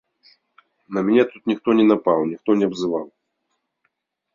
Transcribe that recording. На мяне тут ніхто не напаў, ніхто не абзываў.